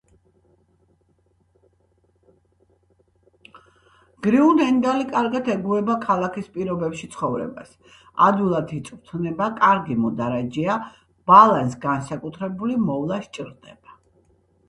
გრიუნენდალი კარგად ეგუება ქალაქის პირობებში ცხოვრებას, ადვილად იწვრთნება, კარგი მოდარაჯეა, ბალანს განსაკუთრებული მოვლა სჭირდება.